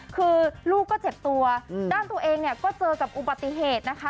คือลูกก็เจ็บตัวด้านตัวเองเนี่ยก็เจอกับอุบัติเหตุนะคะ